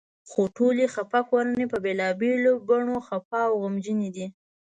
خو ټولې خپه کورنۍ په بېلابېلو بڼو خپه او غمجنې دي.